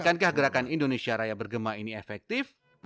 akankah gerakan indonesia raya bergema ini efektif